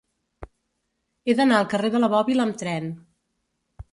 He d'anar al carrer de la Bòbila amb tren.